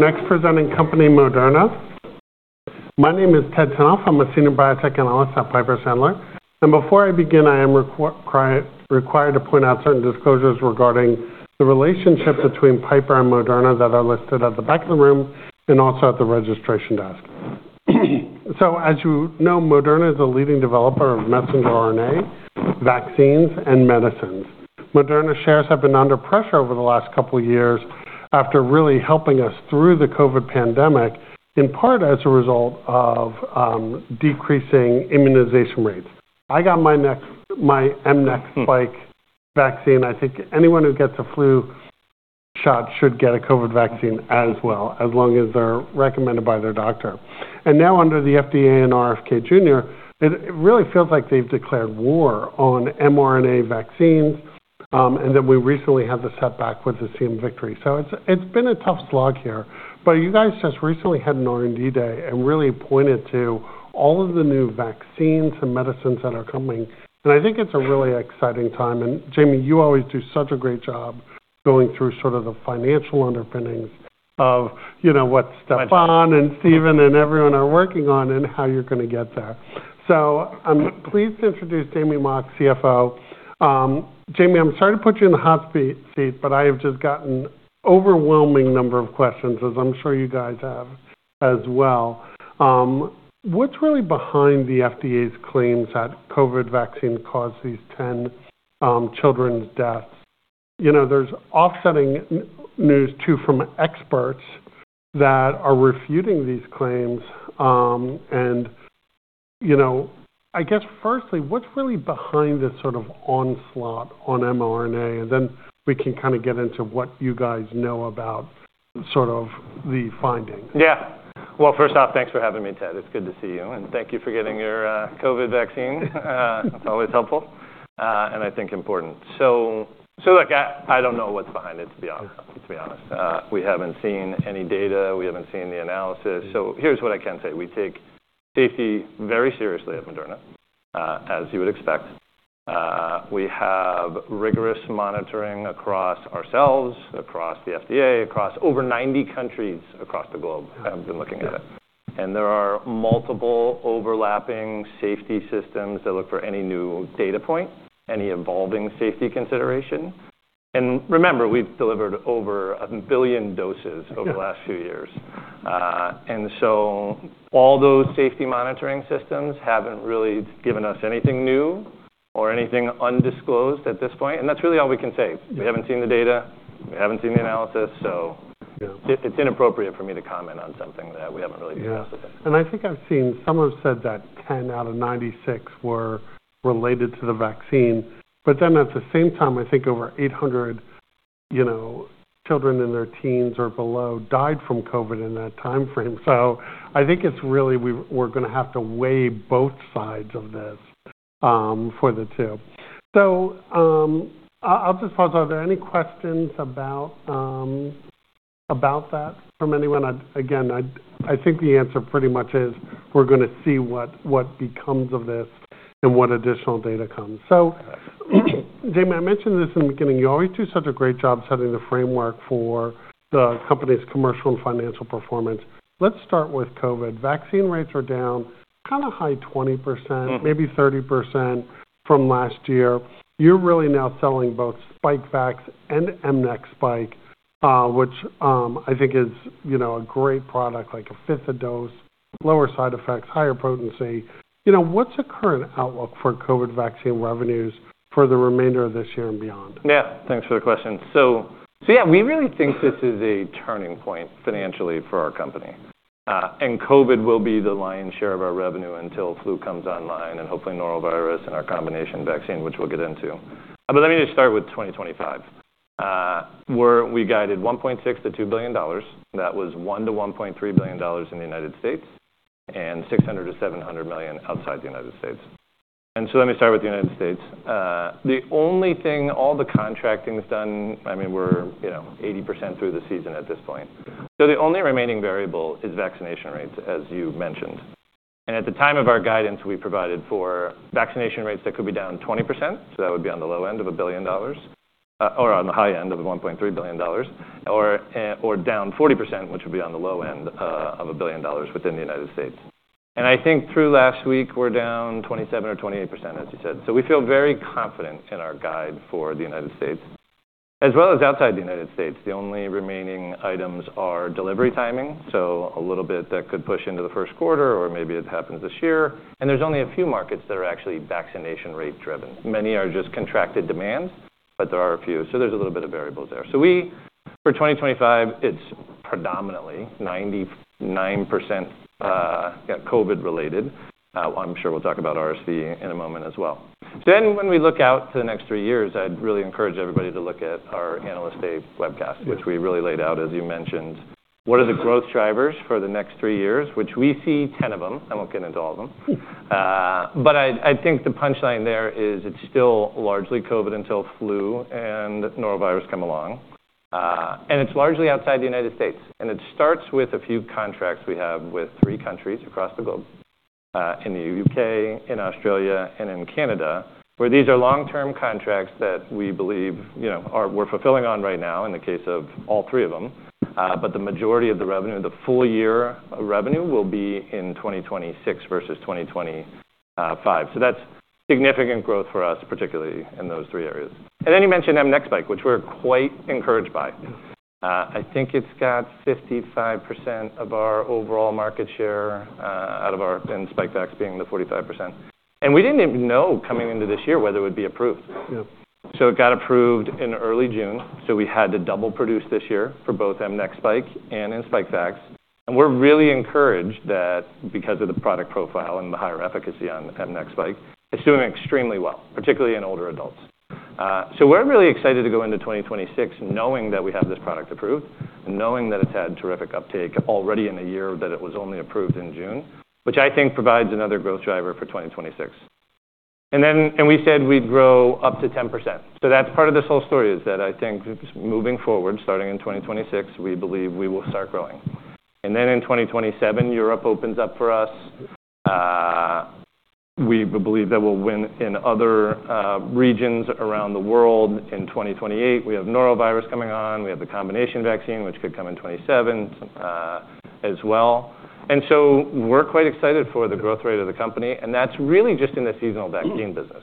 Next presenting company, Moderna. My name is Ted Tenthoff. I'm a senior biotech analyst at Piper Sandler. Before I begin, I am required to point out certain disclosures regarding the relationship between Piper and Moderna that are listed at the back of the room and also at the registration desk. As you know, Moderna is a leading developer of messenger RNA vaccines and medicines. Moderna shares have been under pressure over the last couple of years after really helping us through the COVID pandemic, in part as a result of decreasing immunization rates. I got my mRNA vaccine. I think anyone who gets a flu shot should get a COVID vaccine as well, as long as they're recommended by their doctor. Now, under the FDA and RFK Jr., it really feels like they've declared war on mRNA vaccines. We recently had the setback with the CMVictory. It has been a tough slog here. You guys just recently had an R&D day and really pointed to all of the new vaccines and medicines that are coming. I think it is a really exciting time. Jamey, you always do such a great job going through sort of the financial underpinnings of what Stéphane and Stephen and everyone are working on and how you are going to get there. I am pleased to introduce Jamey Mock, CFO. Jamey, I am sorry to put you in the hot seat, but I have just gotten an overwhelming number of questions, as I am sure you guys have as well. What is really behind the FDA's claims that COVID vaccine caused these 10 children's deaths? There is offsetting news, too, from experts that are refuting these claims. I guess, firstly, what's really behind this sort of onslaught on mRNA? Then we can kind of get into what you guys know about sort of the findings. Yeah. First off, thanks for having me, Ted. It's good to see you. And thank you for getting your COVID vaccine. It's always helpful and I think important. Look, I don't know what's behind it, to be honest. We haven't seen any data. We haven't seen the analysis. Here's what I can say. We take safety very seriously at Moderna, as you would expect. We have rigorous monitoring across ourselves, across the FDA, across over 90 countries across the globe. I've been looking at it. There are multiple overlapping safety systems that look for any new data point, any evolving safety consideration. Remember, we've delivered over a billion doses over the last few years. All those safety monitoring systems haven't really given us anything new or anything undisclosed at this point. That's really all we can say. We haven't seen the data. We haven't seen the analysis. It is inappropriate for me to comment on something that we haven't really discussed today. Yeah. I think I've seen some have said that 10 out of 96 were related to the vaccine. At the same time, I think over 800 children in their teens or below died from COVID in that time frame. I think it's really we're going to have to weigh both sides of this for the two. I'll just pause there. Are there any questions about that from anyone? Again, I think the answer pretty much is we're going to see what becomes of this and what additional data comes. Jamie, I mentioned this in the beginning. You always do such a great job setting the framework for the company's commercial and financial performance. Let's start with COVID. Vaccine rates are down, kind of high 20%, maybe 30% from last year. You're really now selling both Spikevax and mNEXSPIKE, which I think is a great product, like a fifth a dose, lower side effects, higher potency. What's the current outlook for COVID vaccine revenues for the remainder of this year and beyond? Yeah. Thanks for the question. Yeah, we really think this is a turning point financially for our company. COVID will be the lion's share of our revenue until flu comes online and hopefully norovirus and our combination vaccine, which we'll get into. Let me just start with 2025. We guided $1.6-$2 billion. That was $1-$1.3 billion in the U.S. and $600-$700 million outside the U.S. Let me start with the U.S. The only thing, all the contracting's done. I mean, we're 80% through the season at this point. The only remaining variable is vaccination rates, as you mentioned. At the time of our guidance, we provided for vaccination rates that could be down 20%. That would be on the low end of a billion dollars or on the high end of $1.3 billion or down 40%, which would be on the low end of a billion dollars within the United States. I think through last week, we're down 27% or 28%, as you said. We feel very confident in our guide for the United States, as well as outside the United States. The only remaining items are delivery timing. A little bit could push into the first quarter, or maybe it happens this year. There are only a few markets that are actually vaccination rate driven. Many are just contracted demands, but there are a few. There are a little bit of variables there. For 2025, it's predominantly 99% COVID related. I'm sure we'll talk about RSV in a moment as well. When we look out to the next three years, I'd really encourage everybody to look at our analyst day webcast, which we really laid out, as you mentioned, what are the growth drivers for the next three years, which we see 10 of them. I won't get into all of them. I think the punchline there is it's still largely COVID until flu and norovirus come along. It's largely outside the U.S. It starts with a few contracts we have with three countries across the globe, in the U.K., in Australia, and in Canada, where these are long-term contracts that we believe we're fulfilling on right now in the case of all three of them. The majority of the revenue, the full year revenue, will be in 2026 versus 2025. That's significant growth for us, particularly in those three areas. You mentioned mNEXSPIKE, which we're quite encouraged by. I think it's got 55% of our overall market share out of our and Spikevax being the 45%. We didn't even know coming into this year whether it would be approved. It got approved in early June. We had to double produce this year for both mNEXSPIKE and Spikevax. We're really encouraged that because of the product profile and the higher efficacy on mNEXSPIKE, it's doing extremely well, particularly in older adults. We're really excited to go into 2026 knowing that we have this product approved and knowing that it's had terrific uptake already in a year that it was only approved in June, which I think provides another growth driver for 2026. We said we'd grow up to 10%. That's part of this whole story is that I think moving forward, starting in 2026, we believe we will start growing. In 2027, Europe opens up for us. We believe that we'll win in other regions around the world. In 2028, we have norovirus coming on. We have the combination vaccine, which could come in 2027 as well. We're quite excited for the growth rate of the company. That's really just in the seasonal vaccine business.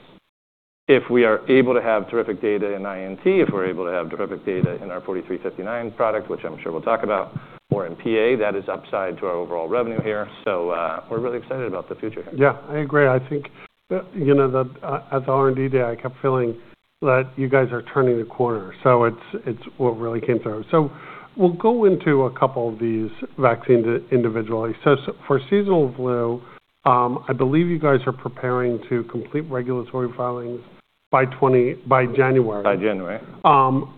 If we are able to have terrific data in INT, if we're able to have terrific data in our 4359 product, which I'm sure we'll talk about, or in PA, that is upside to our overall revenue here. We're really excited about the future here. Yeah. I agree. I think at the R&D day, I kept feeling that you guys are turning the corner. It is what really came through. We will go into a couple of these vaccines individually. For seasonal flu, I believe you guys are preparing to complete regulatory filings by January. By January.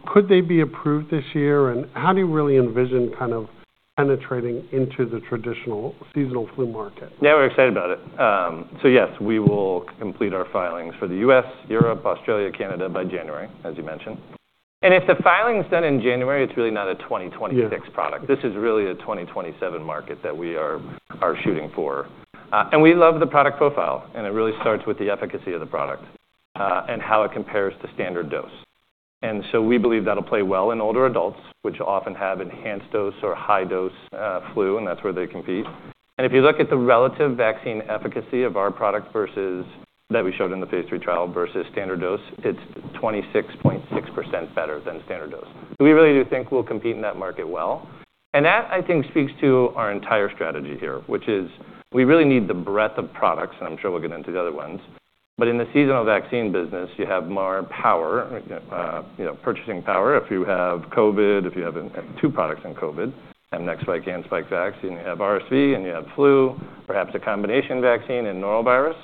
Could they be approved this year? How do you really envision kind of penetrating into the traditional seasonal flu market? Yeah, we're excited about it. Yes, we will complete our filings for the U.S., Europe, Australia, Canada by January, as you mentioned. If the filing's done in January, it's really not a 2026 product. This is really a 2027 market that we are shooting for. We love the product profile. It really starts with the efficacy of the product and how it compares to standard dose. We believe that'll play well in older adults, which often have enhanced dose or high dose flu, and that's where they compete. If you look at the relative vaccine efficacy of our product versus that we showed in the phase III trial versus standard dose, it's 26.6% better than standard dose. We really do think we'll compete in that market well. That, I think, speaks to our entire strategy here, which is we really need the breadth of products. I'm sure we'll get into the other ones. In the seasonal vaccine business, you have more purchasing power. If you have COVID, if you have two products in COVID, mNEXSPIKE and Spikevax, and you have RSV, and you have flu, perhaps a combination vaccine and norovirus,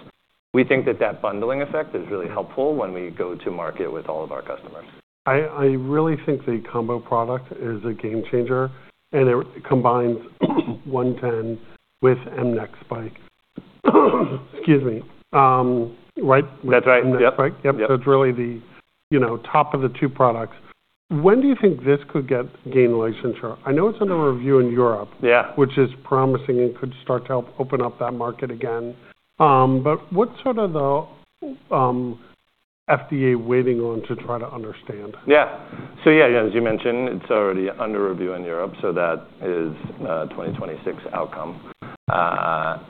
we think that that bundling effect is really helpful when we go to market with all of our customers. I really think the combo product is a game changer. It combines 1010 with mRNA Spikevax. Excuse me. Right? That's right. mNEXSPIKE? Yep. It's really the top of the two products. When do you think this could gain relationship? I know it's under review in Europe, which is promising and could start to help open up that market again. What's sort of the FDA waiting on to try to understand? Yeah. Yeah, as you mentioned, it's already under review in Europe. That is a 2026 outcome.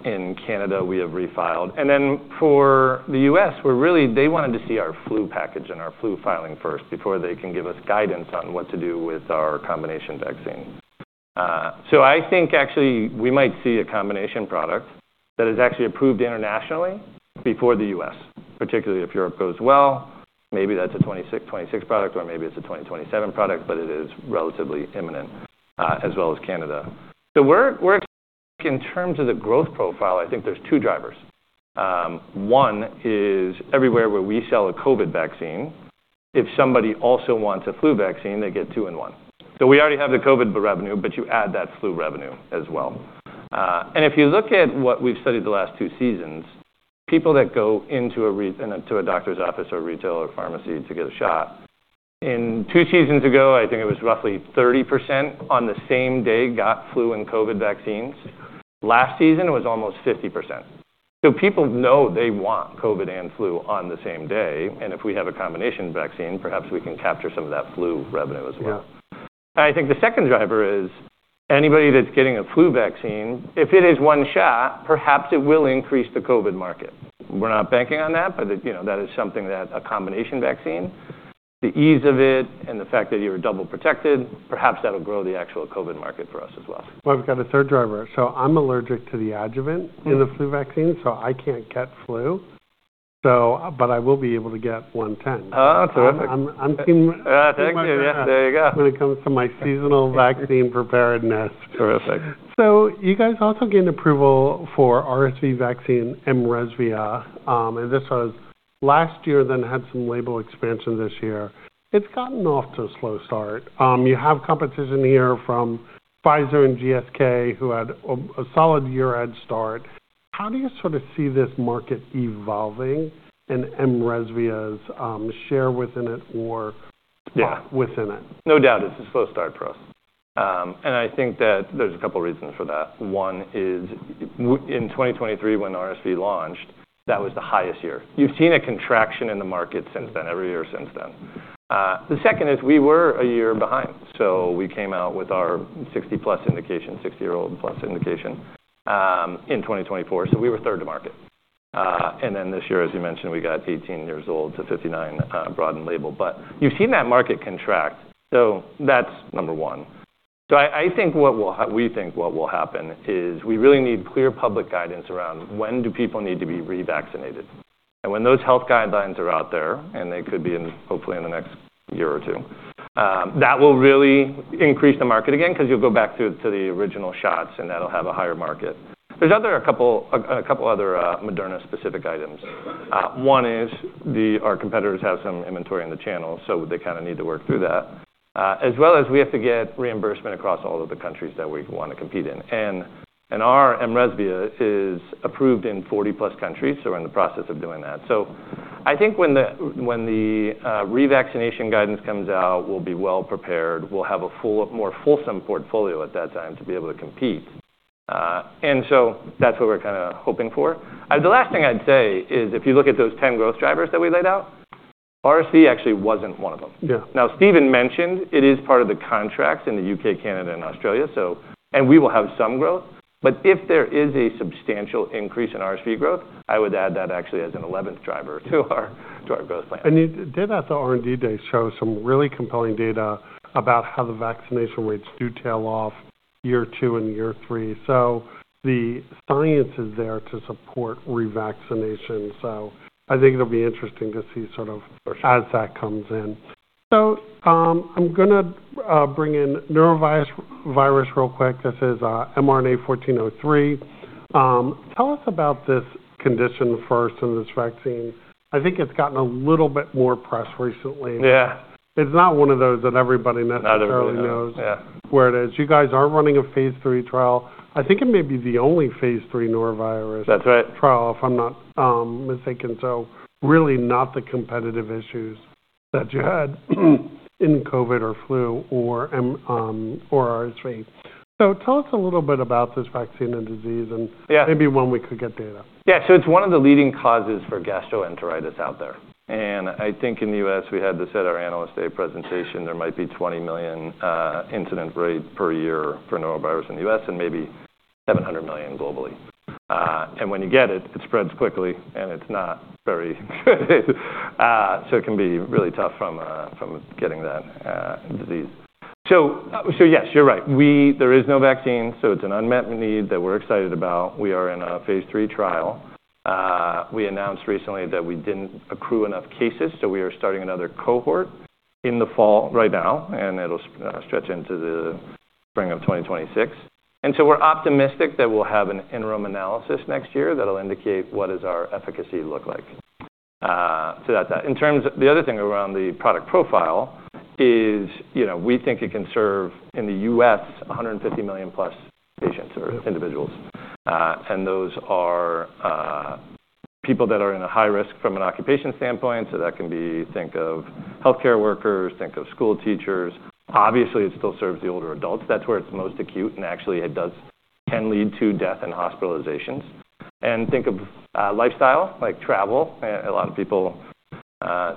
In Canada, we have refiled. For the U.S., they wanted to see our flu package and our flu filing first before they can give us guidance on what to do with our combination vaccine. I think, actually, we might see a combination product that is actually approved internationally before the U.S., particularly if Europe goes well. Maybe that's a 2026 product, or maybe it's a 2027 product, but it is relatively imminent, as well as Canada. In terms of the growth profile, I think there are two drivers. One is everywhere where we sell a COVID vaccine, if somebody also wants a flu vaccine, they get two in one. We already have the COVID revenue, but you add that flu revenue as well. If you look at what we've studied the last two seasons, people that go into a doctor's office or retail or pharmacy to get a shot, in two seasons ago, I think it was roughly 30% on the same day got flu and COVID vaccines. Last season, it was almost 50%. People know they want COVID and flu on the same day. If we have a combination vaccine, perhaps we can capture some of that flu revenue as well. I think the second driver is anybody that's getting a flu vaccine, if it is one shot, perhaps it will increase the COVID market. We're not banking on that, but that is something that a combination vaccine, the ease of it, and the fact that you're double protected, perhaps that'll grow the actual COVID market for us as well. We've got a third driver. I'm allergic to the adjuvant in the flu vaccine, so I can't get flu. But I will be able to get 110. Oh, terrific. I'm keeping. Yeah, there you go. When it comes to my seasonal vaccine preparedness. Terrific. You guys also gained approval for RSV vaccine, mRESVIA. This was last year, then had some label expansion this year. It's gotten off to a slow start. You have competition here from Pfizer and GSK, who had a solid year-end start. How do you sort of see this market evolving and mRESVIA's share within it or spot within it? No doubt it's a slow start for us. I think that there's a couple of reasons for that. One is in 2023, when RSV launched, that was the highest year. You've seen a contraction in the market since then, every year since then. The second is we were a year behind. We came out with our 60-plus indication, 60-year-old plus indication in 2024. We were third to market. This year, as you mentioned, we got 18 years old to 59 broadened label. You've seen that market contract. That's number one. I think what we think will happen is we really need clear public guidance around when do people need to be revaccinated. When those health guidelines are out there, and they could be in hopefully in the next year or two, that will really increase the market again because you'll go back to the original shots, and that'll have a higher market. There are a couple of other Moderna-specific items. One is our competitors have some inventory in the channel, so they kind of need to work through that, as well as we have to get reimbursement across all of the countries that we want to compete in. Our mRESVIA is approved in 40-plus countries, so we're in the process of doing that. I think when the revaccination guidance comes out, we'll be well prepared. We'll have a more fulsome portfolio at that time to be able to compete. That's what we're kind of hoping for. The last thing I'd say is if you look at those 10 growth drivers that we laid out, RSV actually wasn't one of them. Now, Stephen mentioned it is part of the contracts in the U.K., Canada, and Australia, and we will have some growth. If there is a substantial increase in RSV growth, I would add that actually as an 11th driver to our growth plan. Dave at the R&D day showed some really compelling data about how the vaccination rates do tail off year two and year three. The science is there to support revaccination. I think it'll be interesting to see sort of as that comes in. I'm going to bring in norovirus real quick. This is mRNA-1403. Tell us about this condition first and this vaccine. I think it's gotten a little bit more press recently. Yeah. It's not one of those that everybody necessarily knows where it is. You guys are running a phase III trial. I think it may be the only phase III norovirus trial, if I'm not mistaken. Really not the competitive issues that you had in COVID or flu or RSV. Tell us a little bit about this vaccine and disease and maybe when we could get data. Yeah. It is one of the leading causes for gastroenteritis out there. I think in the U.S., we had this at our analyst day presentation. There might be 20 million incident rate per year for norovirus in the U.S. and maybe 700 million globally. When you get it, it spreads quickly, and it's not very good. It can be really tough from getting that disease. Yes, you're right. There is no vaccine. It is an unmet need that we're excited about. We are in a phase III trial. We announced recently that we did not accrue enough cases. We are starting another cohort in the fall right now, and it will stretch into the spring of 2026. We are optimistic that we'll have an interim analysis next year that will indicate what does our efficacy look like. In terms of the other thing around the product profile, we think it can serve in the U.S. 150 million plus patients or individuals. Those are people that are at high risk from an occupation standpoint. That can be, think of healthcare workers, think of school teachers. Obviously, it still serves the older adults. That's where it's most acute, and actually, it can lead to death and hospitalizations. Think of lifestyle, like travel. A lot of people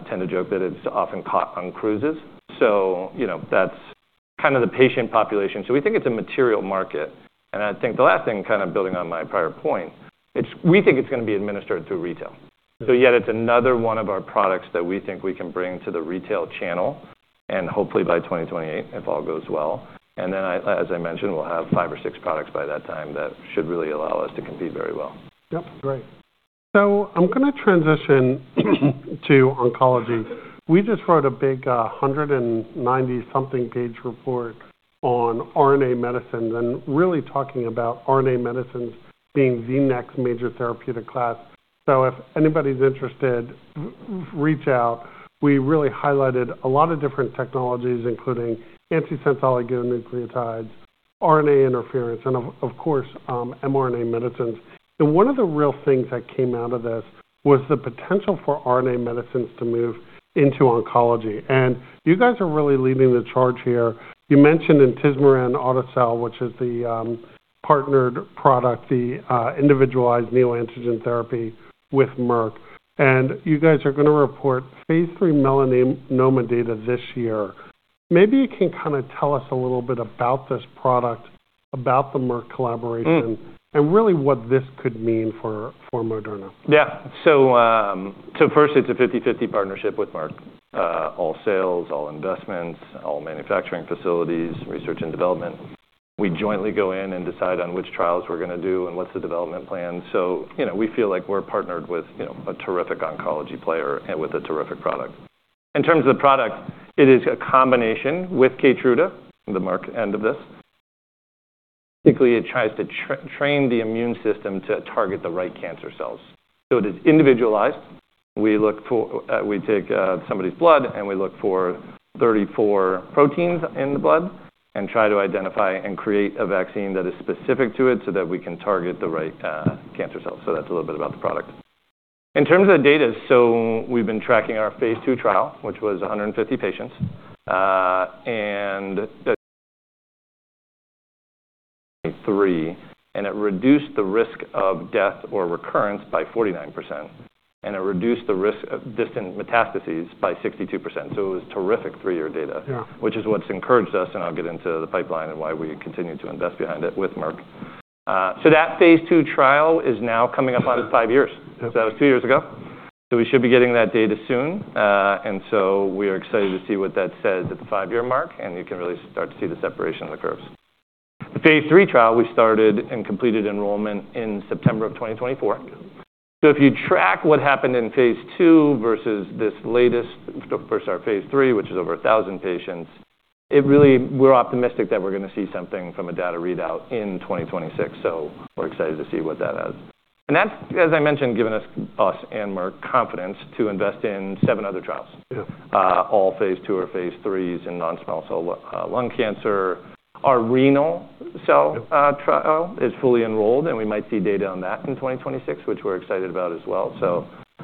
tend to joke that it's often caught on cruises. That's kind of the patient population. We think it's a material market. I think the last thing, kind of building on my prior point, we think it's going to be administered through retail. Yet it's another one of our products that we think we can bring to the retail channel, and hopefully by 2028, if all goes well. As I mentioned, we'll have five or six products by that time that should really allow us to compete very well. Yep. Great. I'm going to transition to oncology. We just wrote a big 190-something page report on RNA medicines and really talking about RNA medicines being the next major therapeutic class. If anybody's interested, reach out. We really highlighted a lot of different technologies, including antisense oligonucleotides, RNA interference, and of course, mRNA medicines. One of the real things that came out of this was the potential for RNA medicines to move into oncology. You guys are really leading the charge here. You mentioned the individualized neoantigen therapy, which is the partnered product with Merck. You guys are going to report phase III melanoma data this year. Maybe you can kind of tell us a little bit about this product, about the Merck collaboration, and really what this could mean for Moderna. Yeah. First, it's a 50-50 partnership with Merck. All sales, all investments, all manufacturing facilities, research and development. We jointly go in and decide on which trials we're going to do and what's the development plan. We feel like we're partnered with a terrific oncology player and with a terrific product. In terms of the product, it is a combination with Keytruda, the Merck end of this. Typically, it tries to train the immune system to target the right cancer cells. It is individualized. We take somebody's blood, and we look for 34 proteins in the blood and try to identify and create a vaccine that is specific to it so that we can target the right cancer cells. That's a little bit about the product. In terms of the data, we've been tracking our phase II trial, which was 150 patients and 23. It reduced the risk of death or recurrence by 49%. It reduced the risk of distant metastases by 62%. It was terrific three-year data, which is what's encouraged us. I'll get into the pipeline and why we continue to invest behind it with Merck. That phase II trial is now coming up on five years. That was two years ago. We should be getting that data soon. We are excited to see what that says at the five-year mark. You can really start to see the separation of the curves. The phase III trial, we started and completed enrollment in September of 2024. If you track what happened in phase II versus this latest, first our phase III, which is over 1,000 patients, we're optimistic that we're going to see something from a data readout in 2026. We're excited to see what that has. As I mentioned, that has given us and Merck confidence to invest in seven other trials, all phase II or phase III in non-small cell lung cancer. Our renal cell trial is fully enrolled. We might see data on that in 2026, which we're excited about as well.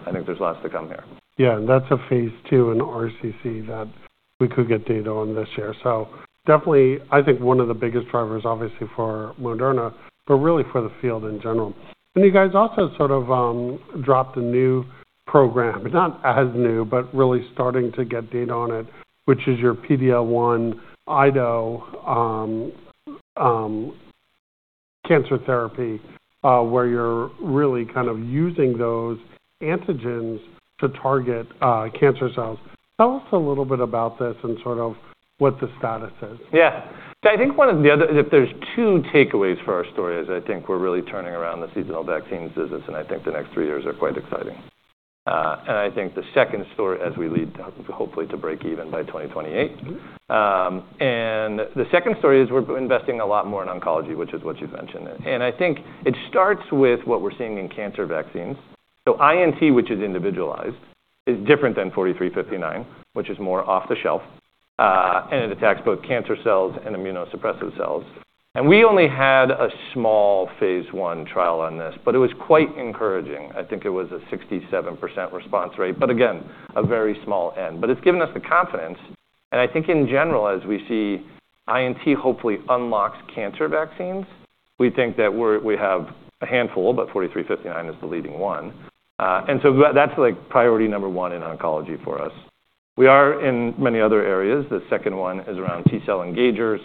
I think there's lots to come here. Yeah. That is a phase II in RCC that we could get data on this year. Definitely, I think one of the biggest drivers, obviously, for Moderna, but really for the field in general. You guys also sort of dropped a new program, not as new, but really starting to get data on it, which is your PD-L1 IDO cancer therapy, where you're really kind of using those antigens to target cancer cells. Tell us a little bit about this and sort of what the status is. Yeah. I think one of the other, if there's two takeaways for our story, is I think we're really turning around the seasonal vaccines business. I think the next three years are quite exciting. I think the second story, as we lead hopefully to break even by 2028. The second story is we're investing a lot more in oncology, which is what you've mentioned. I think it starts with what we're seeing in cancer vaccines. So INT, which is individualized, is different than 4359, which is more off the shelf. It attacks both cancer cells and immunosuppressive cells. We only had a small phase I trial on this, but it was quite encouraging. I think it was a 67% response rate, again, a very small end. It's given us the confidence. I think in general, as we see INT hopefully unlocks cancer vaccines, we think that we have a handful, but 4359 is the leading one. That is priority number one in oncology for us. We are in many other areas. The second one is around T-cell engagers.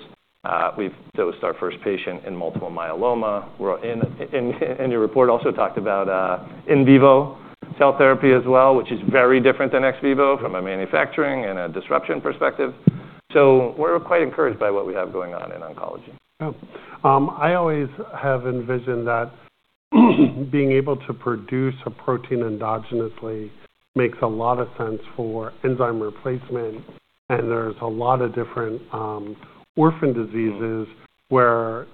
We've dosed our first patient in multiple myeloma. Your report also talked about in vivo cell therapy as well, which is very different than ex vivo from a manufacturing and a disruption perspective. We are quite encouraged by what we have going on in oncology. I always have envisioned that being able to produce a protein endogenously makes a lot of sense for enzyme replacement. There are a lot of different orphan diseases where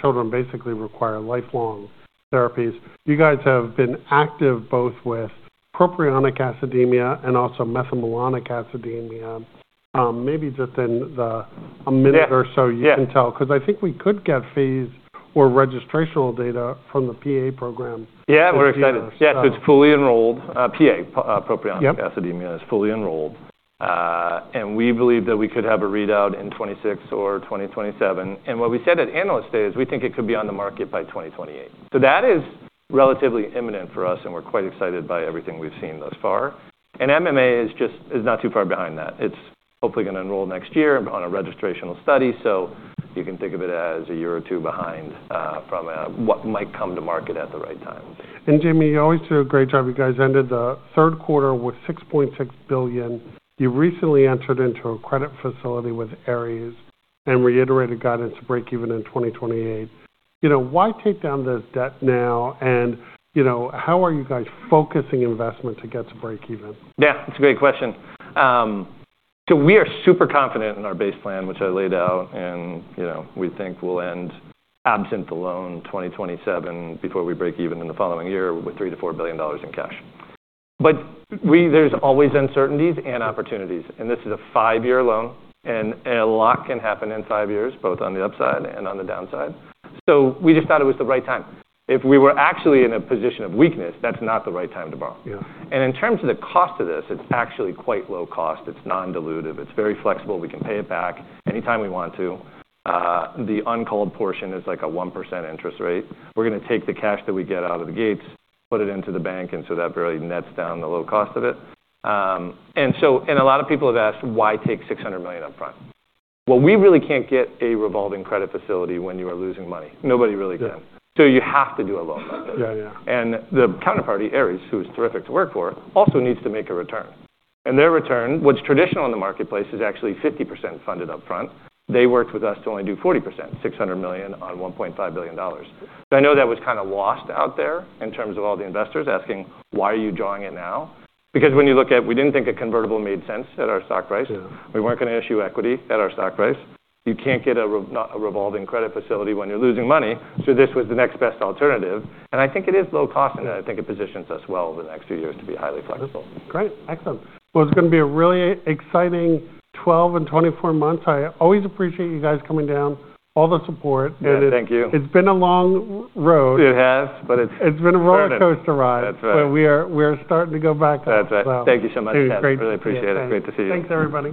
children basically require lifelong therapies. You guys have been active both with propionic acidemia and also methylmalonic acidemia. Maybe just in the minute or so, you can tell because I think we could get phase or registrational data from the PA program. Yeah. We're excited. Yes. It's fully enrolled. PA, propionic acidemia, is fully enrolled. We believe that we could have a readout in 2026 or 2027. What we said at analyst day is we think it could be on the market by 2028. That is relatively imminent for us. We're quite excited by everything we've seen thus far. MMA is not too far behind that. It's hopefully going to enroll next year on a registrational study. You can think of it as a year or two behind from what might come to market at the right time. Jamey, you always do a great job. You guys ended the third quarter with $6.6 billion. You recently entered into a credit facility with Ares and reiterated guidance to break even in 2028. Why take down this debt now? How are you guys focusing investment to get to break even? Yeah. That's a great question. We are super confident in our base plan, which I laid out. We think we'll end absent the loan 2027 before we break even in the following year with $3-$4 billion in cash. There's always uncertainties and opportunities. This is a five-year loan. A lot can happen in five years, both on the upside and on the downside. We just thought it was the right time. If we were actually in a position of weakness, that's not the right time to borrow. In terms of the cost of this, it's actually quite low cost. It's non-dilutive. It's very flexible. We can pay it back anytime we want to. The uncalled portion is like a 1% interest rate. We're going to take the cash that we get out of the gates, put it into the bank. That really nets down the low cost of it. A lot of people have asked, why take $600 million upfront? We really can't get a revolving credit facility when you are losing money. Nobody really can. You have to do a loan. The counterparty, Ares, who is terrific to work for, also needs to make a return. Their return, which traditionally on the marketplace is actually 50% funded upfront, they worked with us to only do 40%, $600 million on $1.5 billion. I know that was kind of lost out there in terms of all the investors asking, why are you drawing it now? When you look at it, we didn't think a convertible made sense at our stock price. We weren't going to issue equity at our stock price. You can't get a revolving credit facility when you're losing money. This was the next best alternative. I think it is low cost. I think it positions us well over the next few years to be highly flexible. Great. Excellent. It is going to be a really exciting 12 and 24 months. I always appreciate you guys coming down, all the support. Thank you. It's been a long road. It has, but it is. It's been a roller coaster ride. That's right. We are starting to go back up. That's right. Thank you so much. It's been great to see you. Really appreciate it. Great to see you. Thanks everybody.